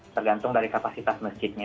tergantung dari kapasitas masjidnya